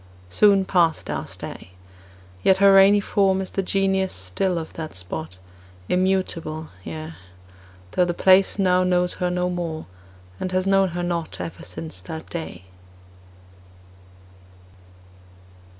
—Soon passed our stay; Yet her rainy form is the Genius still of the spot, Immutable, yea, Though the place now knows her no more, and has known her not Ever since that day.